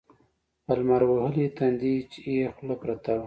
په لمر وهلي تندي يې خوله پرته وه.